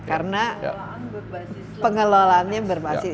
karena pengelolaannya berbasis